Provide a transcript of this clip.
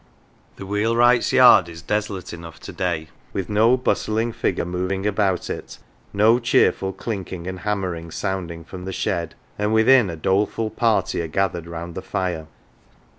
" The wheelwright's yard is desolate enough to day, with no bustling figure moving about it, no cheerful clinking and hammering sounding from the shed ; and within, a doleful party are gathered round the fire.